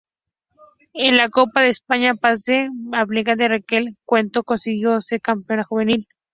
En la Copa de España Base de Alicante, Raquel Cueto consiguió ser campeona juvenil.